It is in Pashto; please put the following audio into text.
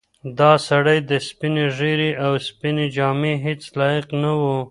دا سړی د سپینې ږیرې او سپینې جامې هیڅ لایق نه و.